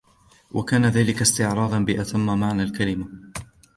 كان ذلك استعراضا بأتم معنى الكلمة.